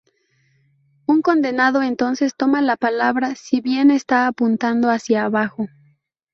Un condenado entonces toma la palabra, si bien está apuntando hacia abajo.